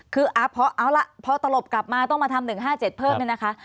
คือเอาล่ะพอตลบกลับมาต้องมาทำ๑๕๗เพิ่มเนี่ยนะคะ